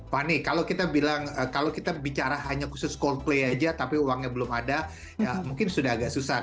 fani kalau kita bilang kalau kita bicara hanya khusus coldplay aja tapi uangnya belum ada ya mungkin sudah agak susah